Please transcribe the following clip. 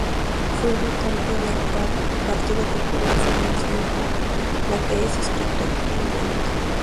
Fue votante del Partido Popular, formación con la que es crítico actualmente.